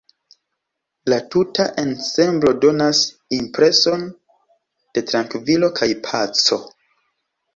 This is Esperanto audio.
La tuta ensemblo donas impreson de trankvilo kaj paco.